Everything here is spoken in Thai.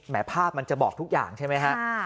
แหม่ภาพมันจะบอกทุกอย่างใช่ไหมฮะค่ะ